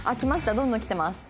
どんどん来てます。